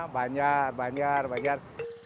banjar banjar banjar